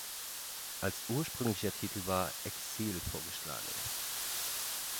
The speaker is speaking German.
Als ursprünglicher Titel war "Exile" vorgesehen.